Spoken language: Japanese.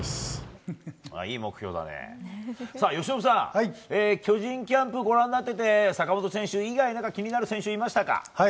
由伸さん巨人キャンプ、ご覧になってて坂本選手以外に気になる選手はいましたか？